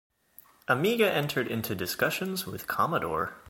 Amiga entered into discussions with Commodore.